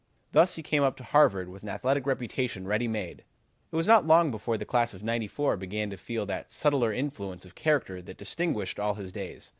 Thus he came up to Harvard with an athletic reputation ready made. "It was not long before the class of '94 began to feel that subtler influence of character that distinguished all his days.